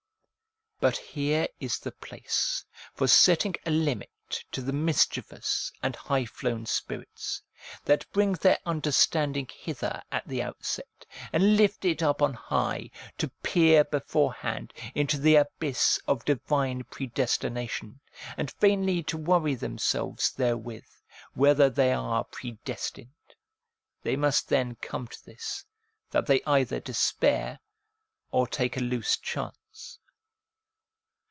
But here is the place for setting a limit to the mischievous and high flown spirits, that bring their understanding hither at the outset, and lift it up on high, to peer before hand into the abyss of divine predestination, and vainly to worry themselves therewith, whether they are pre destined. They must then come to this, that they either despair, or take a loose chance.